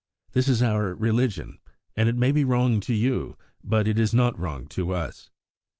This is our religion; and it may be wrong to you, but it is not wrong to us.'